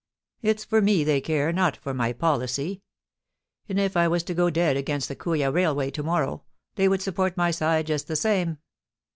It"s for me they care, not for my policy ; and if I was to go dead against the Kooya Railway to morrow, they would support my side just the same.